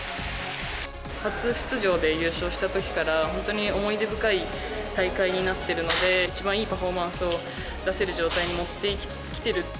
初出場で優勝したときから、本当に思い出深い大会になってるので、一番いいパフォーマンスを出せる状態に持ってきてる。